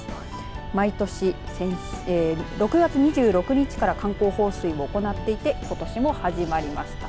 毎年６月２６日から観光放水を行っていてことしも始まりました。